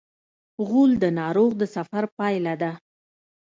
غول د ناروغ د سفر پایله ده.